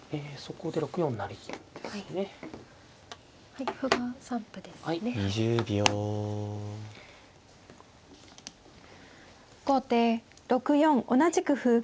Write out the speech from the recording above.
後手６四同じく歩。